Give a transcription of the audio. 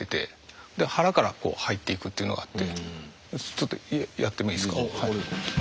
ちょっとやってもいいですか？